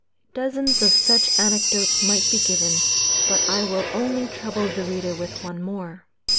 Dozens of such anecdotes might be given, but I will only trouble the reader with one more.